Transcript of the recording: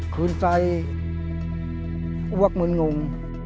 คืนไส้อวกเมืองงง